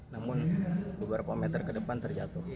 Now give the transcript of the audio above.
namun beberapa meter ke depan terjatuh